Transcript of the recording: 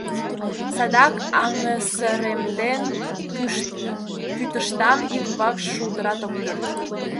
Садак аҥысыремден кӱтыштам: ик вакш шулдырат ок пӧрд.